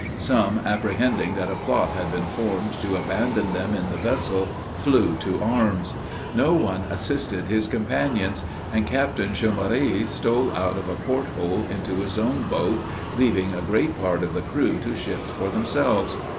Some, apprehending that a plot had been formed to abandon them in the vessel, flew to arms. No one assisted his companions; and Captain Chaumareys stole out of a port hole into his own boat, leaving a great part of the crew to shift for themselves.